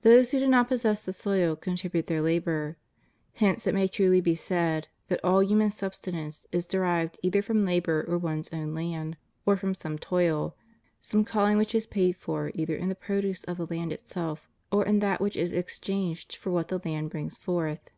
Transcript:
Those who do not possess the soil, contribute their labor; hence it may truly be said that all human subsistence is derived either from labor on one's own land, or from some toil, some calling which is paid for either in the produce of the land itself, or in that which is exchanged for what the land brings forth.